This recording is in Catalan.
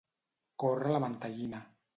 Córrer la mantellina.